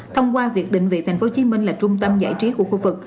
thông qua việc định vị thành phố hồ chí minh là trung tâm giải trí của khu vực